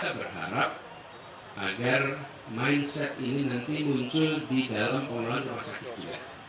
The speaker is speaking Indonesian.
kita berharap agar mindset ini nanti muncul di dalam pengelolaan rumah sakit juga